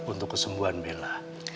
untuk kesembuhan bella